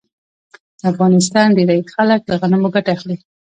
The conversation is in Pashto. د افغانستان ډیری خلک له غنمو ګټه اخلي.